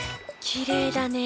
きれいだね。